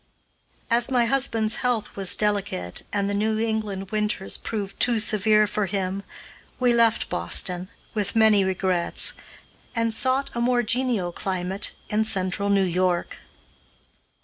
As my husband's health was delicate, and the New England winters proved too severe for him, we left Boston, with many regrets, and sought a more genial climate in Central New York.